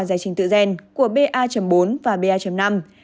giải trình tự gen của ba bốn và ba năm